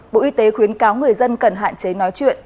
bộ y tế khuyến cáo người dân cần hạn chế nói chuyện